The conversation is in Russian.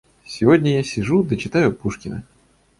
Сегодня я сижу да читаю Пушкина.